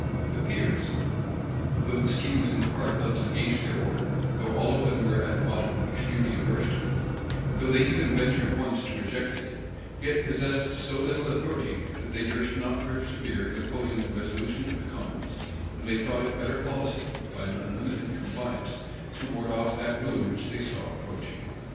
The peers, though the scheme was in part levelled against their order; though all of them were at bottom extremely averse to it; though they even ventured once to reject it; yet possessed so little authority, that they durst not persevere in opposing the resolution of the commons; and they thought it better policy, by an unlimited compliance, to ward off that ruin which they saw approaching.